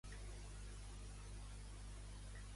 Amb qui es pressuposa que es casi Berta?